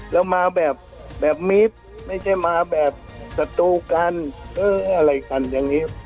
แล้วมาแบบมิดไม่ใช่มาแบบสตูกันเอออะไรกันอย่างนี้